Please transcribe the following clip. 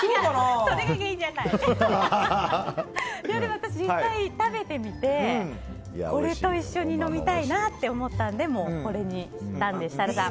私、実際食べてみてこれと一緒に飲みたいなって思ったのでこれにしたので、設楽さん